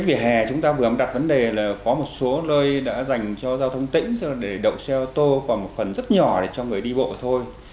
về hè chúng ta vừa đặt vấn đề là có một số nơi đã dành cho giao thông tỉnh để đậu xe ô tô còn một phần rất nhỏ để cho người đi bộ thôi